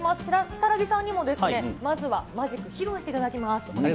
如月さんにもまずはマジック、披露していただきます。